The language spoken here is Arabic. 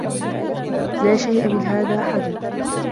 لا شيء من هذا حدث.